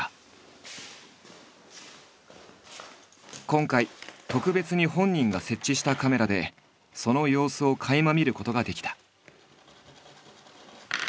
今回特別に本人が設置したカメラでその様子をかいま見ることができた。